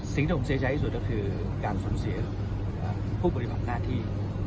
สิ่งที่ผมเสียใจที่สุดก็คือการสูญเสียผู้ปฏิบัติหน้าที่